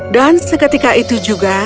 dan seketika itu juga